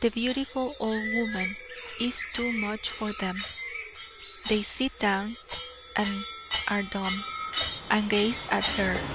The beautiful old woman is too much for them. They sit down, and are dumb, and gaze at her.